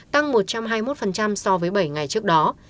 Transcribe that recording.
tăng một trăm hai mươi một so với bảy ngày trước đó